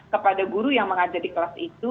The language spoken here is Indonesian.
kepada guru yang mengajar di kelas itu